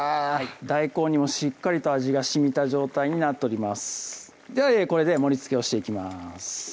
大根にもしっかりと味がしみた状態になっておりますではこれで盛りつけをしていきます